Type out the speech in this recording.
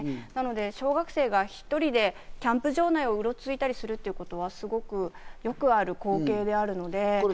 なので小学生が１人でキャンプ場内をうろついたりするということは、よくある光景であるので。